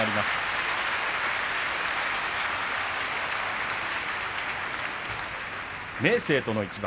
拍手明生との一番。